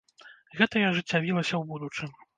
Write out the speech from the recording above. Гэта і ажыццявілася ў будучым.